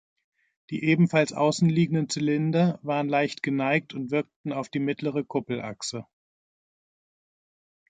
Die ebenfalls außenliegenden Zylinder waren leicht geneigt und wirkten auf die mittlere Kuppelachse.